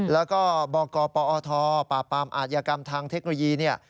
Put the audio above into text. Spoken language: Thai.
แล้วก็บกปอธปราบปรามอาชญากรรมทางเทคโนโลยี